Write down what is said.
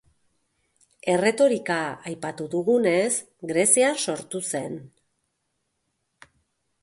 Erretorika, aipatu dugunez, Grezian sortu zen.